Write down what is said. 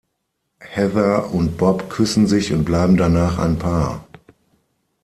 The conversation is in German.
Heather und Bob küssen sich und bleiben danach ein Paar.